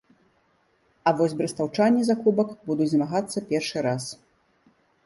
А вось брэстаўчане за кубак будуць змагацца першы раз.